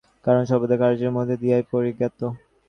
কারণ সর্বদা কার্যের মধ্য দিয়াই পরিজ্ঞাত।